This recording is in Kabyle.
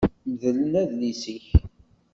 Mdel adlis-ik